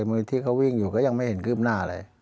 มือที่เขาวิ่งอยู่ก็ยังไม่เห็นคืบหน้าอะไร